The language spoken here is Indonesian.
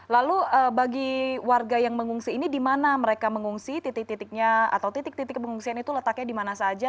lalu bagi warga yang mengungsi ini di mana mereka mengungsi titik titiknya atau titik titik pengungsian itu letaknya di mana saja